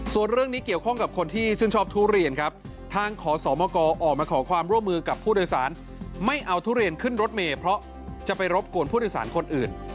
ส่วนเรื่องนี้เกี่ยวข้องกับคนที่ชื่นชอบทุเรียนครับทางขอสมกออกมาขอความร่วมมือกับผู้โดยสารไม่เอาทุเรียนขึ้นรถเมย์เพราะจะไปรบกวนผู้โดยสารคนอื่น